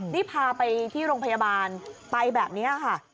นี่พาไปที่โรงพยาบาลไปแบบนี้ค่ะ